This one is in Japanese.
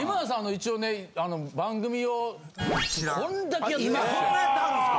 一応ね番組をこんだけやってるんですよ。